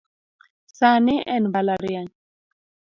Sani en mbalariany.